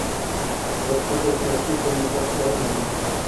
Ve skutečnosti tomu tak ale není.